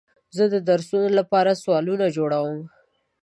زه د درسونو لپاره سوالونه جوړوم.